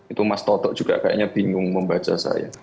itu mas toto juga kayaknya bingung membaca saya